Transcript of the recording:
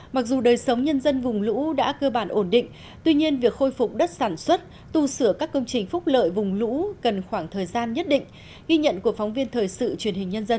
mặc dù đời sống nhân dân vùng lũ đã cơ bản ổn định tuy nhiên việc khôi phục đất sản xuất tu sửa các công trình phúc lợi vùng lũ cần khoảng thời gian nhất định ghi nhận của phóng viên thời sự truyền hình nhân dân